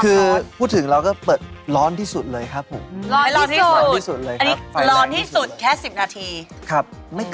คือพูดถึงเราก็เปิดร้อนที่สุดเลยครับผม